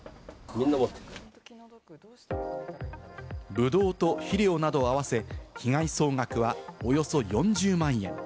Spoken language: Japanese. ブドウと肥料など合わせ、被害総額はおよそ４０万円。